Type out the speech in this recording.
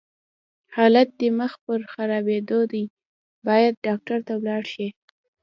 حالت دې مخ پر خرابيدو دی، بايد ډاکټر ته ولاړ شې!